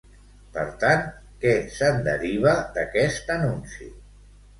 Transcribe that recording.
Per tant, què se'n deriva d'aquest anunci?